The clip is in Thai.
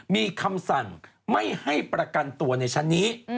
มีคำสั่งไม่ให้ประกันตัวในชั้นนี้